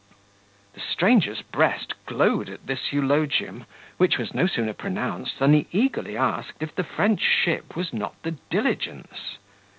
The stranger's breast glowed at this eulogium, which was no sooner pronounced than he eagerly asked if the French ship was not the Diligence?